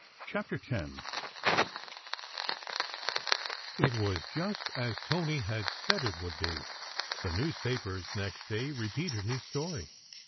CHAPTER X IT WAS just as Tony had said it would be: the news papers next day repeated his story.